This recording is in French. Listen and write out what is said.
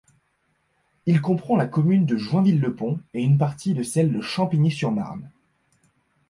Il comprend la commune de Joinville-le-Pont et une partie de celle de Champigny-sur-Marne.